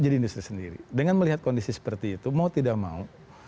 jadi industri sendiri dengan melihat kondisi seperti itu mau tidak mau